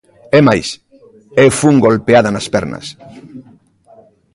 É máis, eu fun golpeada nas pernas.